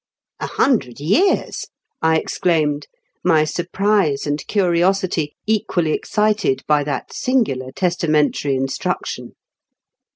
"A hundred years!" I exclaimed, my surprise and curiosity equally excited by that singular testamentary instruction.